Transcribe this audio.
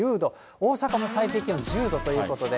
大阪も最低気温が１０度ということで。